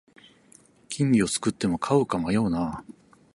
金魚すくっても飼うか迷うな